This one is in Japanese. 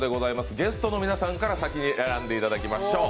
ゲストの皆さんから先に選んでいただきましょう。